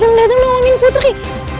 dateng dateng bawa minggu putri